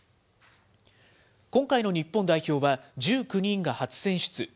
今回の日本代表は１９人が初選出。